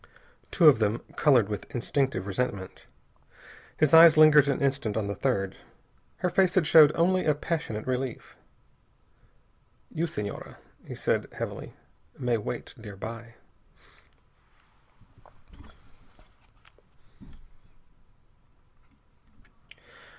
Two of them colored with instinctive resentment. His eyes lingered an instant on the third. Her face had showed only a passionate relief. "You, Senhora," he said heavily, "may wait nearby."